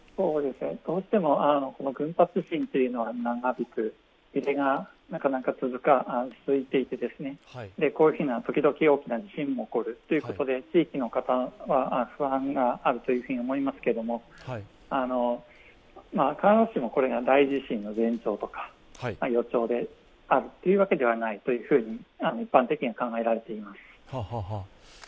どうしても、群発地震というのは長引く、揺れがなかなか続いていて、こういう時々大きな地震が起きるということで地域の方は不安があると思いますけれども必ずしもこれが大地震の前兆とか予兆というわけではないと一般的には考えられています。